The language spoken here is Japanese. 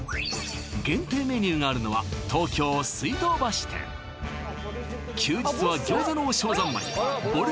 限定メニューがあるのは東京水道橋店休日は餃子の王将三昧ぼる